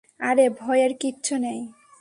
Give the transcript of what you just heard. আরে, ভয়ের কিচ্ছু নেই!